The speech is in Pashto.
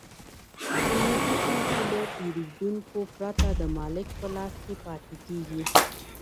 قیمتي توکي له پېرودونکو پرته د مالک په لاس کې پاتې کېږي